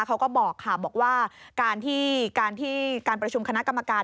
เขาก็บอกว่าการที่การประชุมคณะกรรมการ